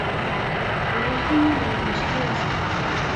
فعالیتونه له نیژدې وڅاري.